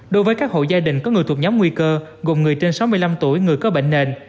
đối với các hộ gia đình có người thuộc nhóm nguy cơ gồm người trên sáu mươi năm tuổi người có bệnh nền